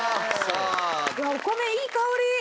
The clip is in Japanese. お米いい香り。